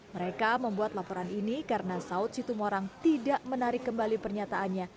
mereka membuat laporan ini karena saud situmorang tidak menarik kembali pernyataannya